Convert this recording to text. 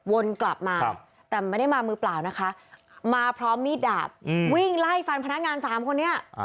วนกลับมาแต่ไม่ได้มามือเปล่านะคะมาพร้อมมีดดาบวิ่งไล่ฟันพนักงานสามคนนี้